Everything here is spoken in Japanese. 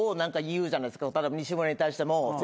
西村に対しても。